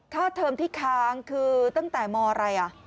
เทอมที่ค้างคือตั้งแต่มอะไร